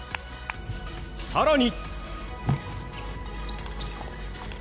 更に。